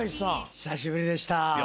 久しぶりでした。